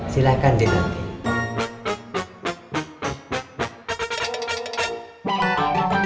silahkan di ratih